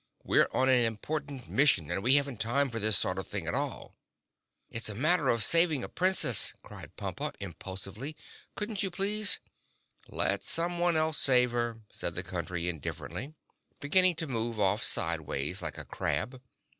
"We're on an important mission and we haven't time for this sort of thing at all." "It's a matter of saving a Princess," cried Pompa impulsively. "Couldn't you, please—" "Let someone else save her," said the Country indifferently, beginning to move off sideways like a crab.